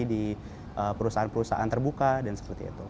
di perusahaan perusahaan terbuka dan seperti itu